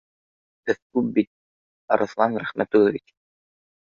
— Беҙ күп бит, Арыҫлан Рәхмәтуллович